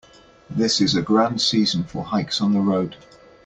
This is a grand season for hikes on the road.